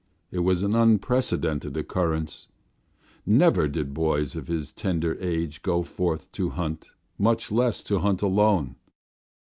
It was an unprecedented occurrence. Never did boys of his tender age go forth to hunt, much less to hunt alone.